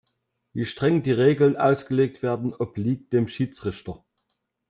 Wie streng die Regeln ausgelegt werden, obliegt dem Schiedsrichter.